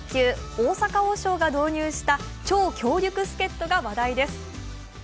大阪王将が導入した超強力助っとが話題です。